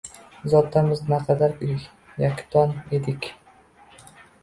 Zotan biz naqadar yaktan edik.